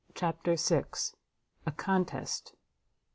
CHAPTER vi. A CONTEST.